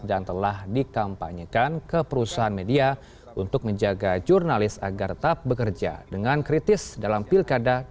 dan telah dikampanyekan ke perusahaan media untuk menjaga jurnalis agar tetap bekerja dengan kritis dalam pilkada dua ribu dua puluh